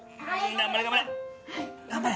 頑張れ頑張れ！